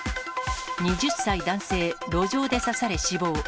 ２０歳男性、路上で刺され死亡。